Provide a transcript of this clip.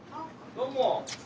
どうも。